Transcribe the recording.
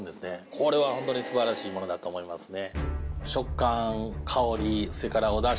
これはホントに素晴らしいものだと思いますね